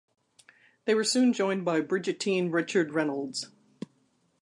They were soon joined by Bridgettine Richard Reynolds.